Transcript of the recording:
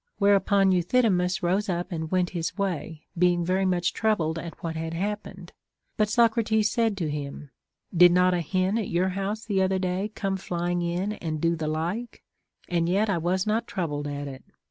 Whereupon Euthydemus rose up and went his way, being very much troubled at what had happened. But Socrates said to him : Did not a hen at your house the other day come flying in, and do the like ] and yet I was not troubled at it.